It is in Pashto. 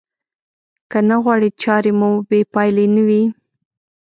که نه غواړئ چارې مو بې پايلې نه وي.